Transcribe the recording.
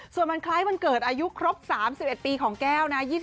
ส่วนวันคล้ายวันเกิดอายุครบ๓๑ปีของแก้วนะ